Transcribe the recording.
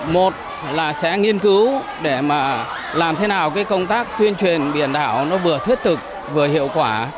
một là sẽ nghiên cứu để làm thế nào công tác tuyên truyền biển đảo vừa thiết thực vừa hiệu quả